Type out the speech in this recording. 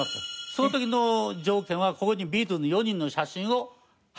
その時の条件はここにビートルズの４人の写真を貼る事。